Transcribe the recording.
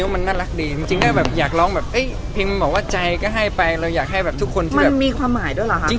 มีรอดพลิกในคอเวอร์เยอะกว่าของจริง